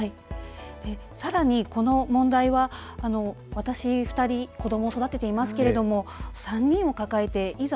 さらに、この問題は私、子どもを２人育てていますけれども３人を抱えていざ